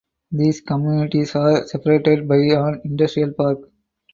These communities are separated by an industrial park.